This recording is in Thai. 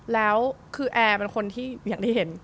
แล้วคือแอร์เป็นคนที่อย่างที่เห็น